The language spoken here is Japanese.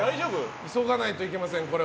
急がないといけません。